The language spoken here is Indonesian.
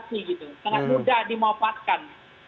sangat mudah dimofatkan